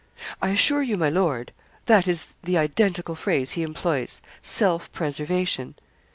I assure you, my lord, that is the identical phrase he employs self preservation.